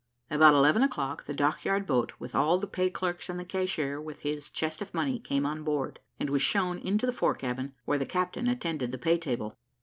About eleven o'clock the dock yard boat, with all the pay clerks and the cashier, with his chest of money, came on board, and was shown into the fore cabin, where the captain attended the pay table.